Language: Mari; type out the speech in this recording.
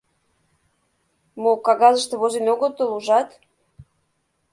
Мо, кагазыште возен огытыл, ужат?